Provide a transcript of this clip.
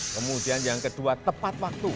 kemudian yang kedua tepat waktu